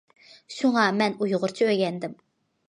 شۇڭا مەن ئۇيغۇرچە ئۆگەندىم.